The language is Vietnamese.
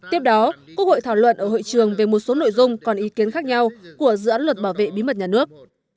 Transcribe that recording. tiếp đó quốc hội thảo luận ở hội trường về một số nội dung còn ý kiến khác nhau của dự án luật bảo vệ bí mật nhà nước